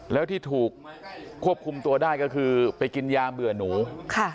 แล้วที่ถูกควบคุมตัวได้ก็คือไปกินยาเบื่อหนูค่ะ